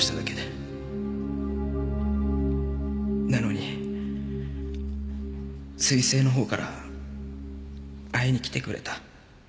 なのに彗星のほうから会いに来てくれた。